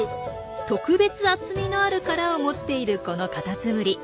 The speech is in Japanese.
特別厚みのある殻を持っているこのカタツムリ。